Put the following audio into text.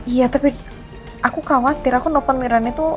iya tapi aku khawatir aku nelfon mirna itu